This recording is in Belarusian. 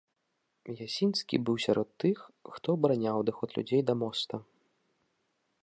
Ясінскі быў сярод тых, хто абараняў адыход людзей да моста.